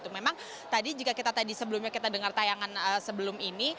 memang tadi jika kita tadi sebelumnya kita dengar tayangan sebelum ini